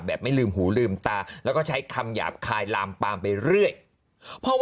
ไม่ลืมหูลืมตาแล้วก็ใช้คำหยาบคายลามปามไปเรื่อยเพราะว่า